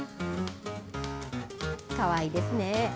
かわいいですね。